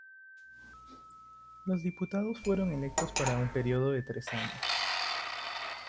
Los diputados fueron electos para un periodo de tres años.